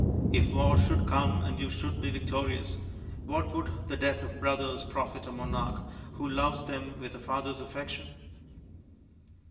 If war should come and you should be victorious, what would the death of the brothers profit a monarch who loves them with a father's affection